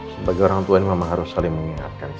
sebagai orang tua ini memang harus saling mengingatkan